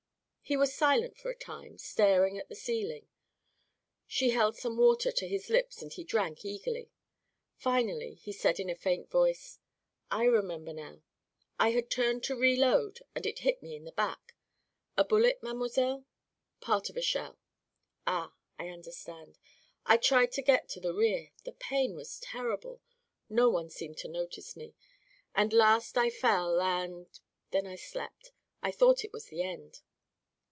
He was silent for a time, staring at the ceiling. She held some water to his lips and he drank eagerly. Finally he said in a faint voice: "I remember, now. I had turned to reload and it hit me in the back. A bullet, mademoiselle?" "Part of a shell." "Ah, I understand.... I tried to get to the rear. The pain was terrible. No one seemed to notice me. At last I fell, and then I slept. I thought it was the end."